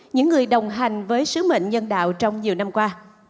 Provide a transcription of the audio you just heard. những người đồng hành với sứ mệnh nhân đạo trong nhiều năm qua